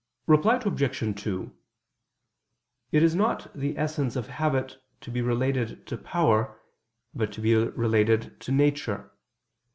Reply Obj. 2: It is not the essence of habit to be related to power, but to be related to nature.